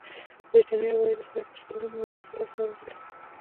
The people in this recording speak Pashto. برېتانيا عوايدو یو پر څلورمه مهاجرو لاسته راغلي.